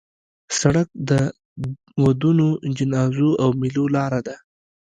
سړک د ودونو، جنازو او میلو لاره ده.